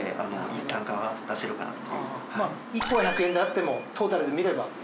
１個は１００円であってもトータルで見れば。